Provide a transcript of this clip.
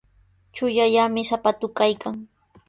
Chullallami sapatuu kaykan.